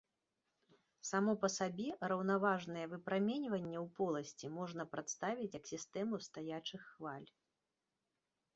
Само па сабе, раўнаважнае выпраменьванне ў поласці можна прадставіць як сістэму стаячых хваль.